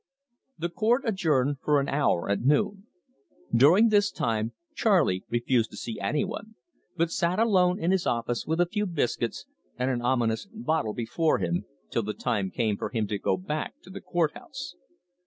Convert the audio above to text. The court adjourned for an hour at noon. During this time Charley refused to see any one, but sat alone in his office with a few biscuits and an ominous bottle before him, till the time came for him to go back to the court house.